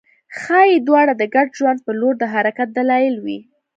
ښايي دواړه د ګډ ژوند په لور د حرکت دلایل وي